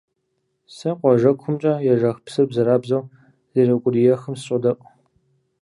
Сэ къуажэкумкӀэ ежэх псыр бзэрабзэу зэреукӀуриехым сыщӀодэӀу.